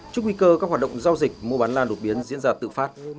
chúc nguy cơ các hoạt động giao dịch mua bán lan đột biến diễn ra tự phát